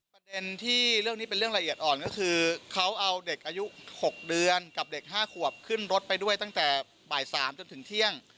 ประเด็นที่เรื่องนี้เป็นเรื่องละเอียดอ่อนก็คือเขาเอาเด็กอายุ๖เดือนกับเด็ก๕ขวบขึ้นรถไปด้วยตั้งแต่บ่าย๓จนถึงเที่ยง